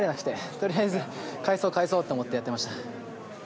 とりあえず返そう返そうと思ってやってました。